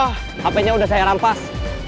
hpnya udah saya rampas